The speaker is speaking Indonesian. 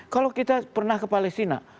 kalau kita pernah ke palestina